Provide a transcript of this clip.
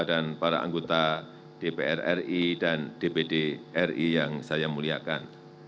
dan para anggota dpr ri dan dpd ri yang saya muliakan